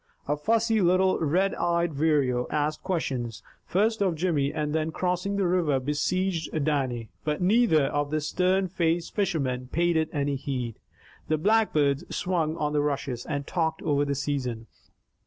A fussy little red eyed vireo asked questions, first of Jimmy, and then crossing the river besieged Dannie, but neither of the stern faced fishermen paid it any heed. The blackbirds swung on the rushes, and talked over the season.